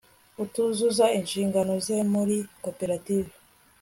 utuzuza inshingano ze muri koperative